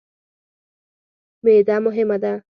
معده مهمه ده.